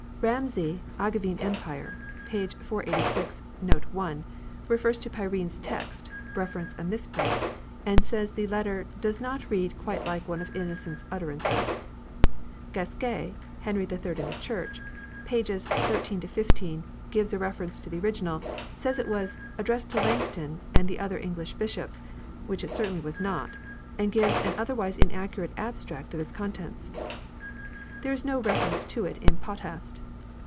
Ramsay, "Angevin Empire," p. 486, n. i, refers to Prynne's text (reference a misprint) and says the letter "does not read quite like one of Innocent's utterances ". Gasquet, "Henry Third and the Church," pp. 13 15, gives a reference to the original, says it was "addressed to Langton and the other English bishops," which it certainly was not, and gives an otherwise inaccurate abstract of its con tents. There is no reference to it in Potthast.